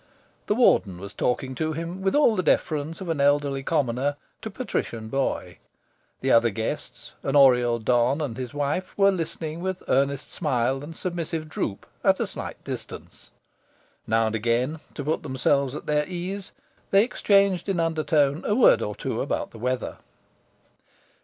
The Warden was talking to him, with all the deference of elderly commoner to patrician boy. The other guests an Oriel don and his wife were listening with earnest smile and submissive droop, at a slight distance. Now and again, to put themselves at their ease, they exchanged in undertone a word or two about the weather.